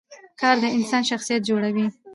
کار د انسان شخصیت جوړوي